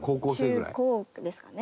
中高ですかね？